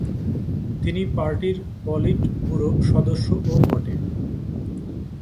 তিনি পার্টির পলিটব্যুরো সদস্যও বটে।